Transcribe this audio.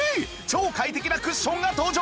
超快適なクッションが登場